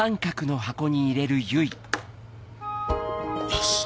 よし！